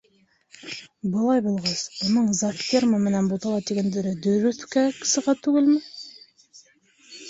Былай булғас, уның зафферма менән бутала тигәндәре дөрөҫкә сыға түгелме?